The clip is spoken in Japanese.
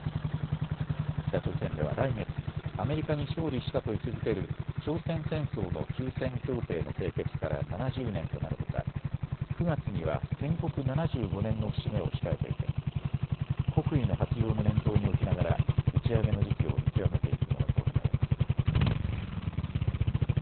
北朝鮮では来月、アメリカに勝利したと位置づける朝鮮戦争の休戦協定の締結から７０年となるほか９月には建国７５年の節目を控えていて国威の発揚も念頭に置きながら打ち上げの時期を見極めていくものと見られます。